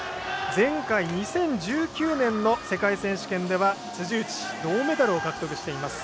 前回２０１９年の世界選手権では辻内、銅メダルを獲得しています。